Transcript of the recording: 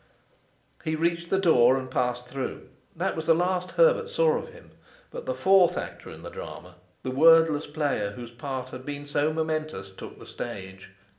He reached the door and passed through. That was the last Herbert saw of him; but the fourth actor in the drama, the wordless player whose part had been so momentous, took the stage.